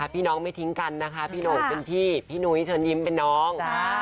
พี่น้องไม่ทิ้งกันนะคะพี่หน่งเป็นพี่พี่นุ้ยเชิญยิ้มเป็นน้อง